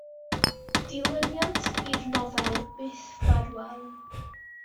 Dilyniant i'r nofel Byth Ffarwél.